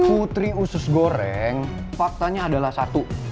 putri usus goreng faktanya adalah satu